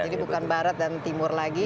jadi bukan barat dan timur lagi